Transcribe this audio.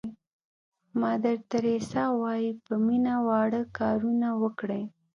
مادر تریسیا وایي په مینه واړه کارونه وکړئ.